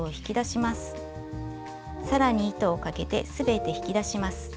さらに糸をかけて全て引き出します。